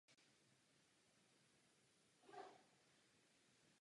Maxmilián byl zajat a postaven před válečný soud.